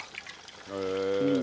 へえ。